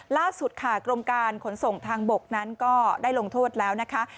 ล่าสุดค่ะกรมการขนส่งทางบกนั้นก็ได้ลงโทษแล้วนะคะ